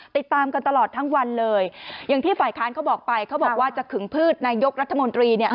ติดตามกันตลอดทั้งวันเลยอย่างที่ฝ่ายค้านเขาบอกไปเขาบอกว่าจะขึงพืชนายกรัฐมนตรีเนี่ย